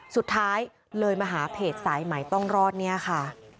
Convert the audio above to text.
สุดท้ายเลยมาหาเพจสายใหม่ต้องรอดเนี่ยค่ะ